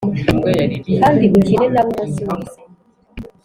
kandi ukine nabo umunsi wose